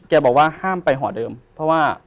บอกว่าห้ามไปหอเดิมเพราะว่า